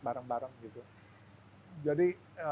bareng bareng gitu jadi